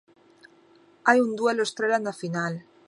Hai un duelo estrela na final.